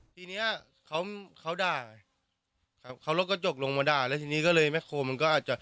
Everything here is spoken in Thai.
ทีนี้เขาด่าเขาลดกระจกลงมาด่าแล้วทีนี้ก็เลยแม็กโฮนมันก็อาจจะ